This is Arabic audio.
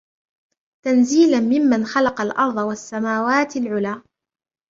تنزيلا ممن خلق الأرض والسماوات العلى